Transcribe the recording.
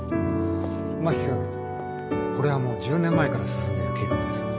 真木君これはもう１０年前から進んでいる計画です。